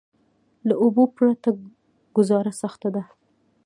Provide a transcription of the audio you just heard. له اوبو پرته ګذاره سخته ده.